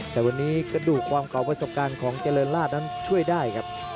แต่วันนี้กระดูกความเก่าประสบการณ์ของเจริญราชนั้นช่วยได้ครับ